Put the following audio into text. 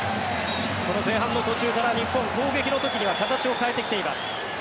この前半の途中から日本、攻撃の時には形を変えてきています。